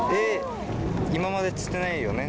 今まで釣ってないよね？